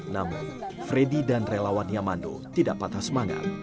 namun freddy dan relawan yamando tidak patah semangat